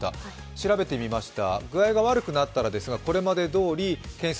調べてみました。